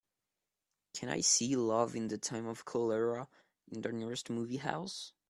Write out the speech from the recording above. Can I see Love in the Time of Cholera in the nearest movie house